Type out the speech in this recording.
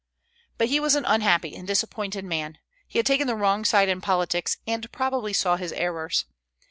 But he was an unhappy and disappointed man; he had taken the wrong side in politics, and probably saw his errors.